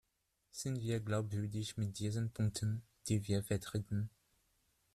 Sind wir glaubwürdig mit diesen Punkten, die wir vertreten?